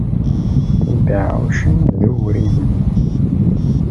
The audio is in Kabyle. Ibeɛɛucen d uwrimen.